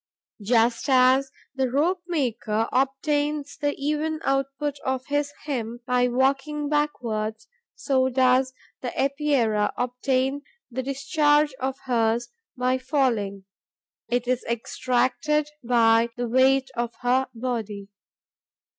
Just as the rope maker obtains the even output of his hemp by walking backwards, so does the Epeira obtain the discharge of hers by falling. It is extracted by the weight of her body.